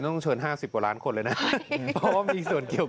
คุณผู้ชมครับคุณผู้ชมครับคุณผู้ชมครับ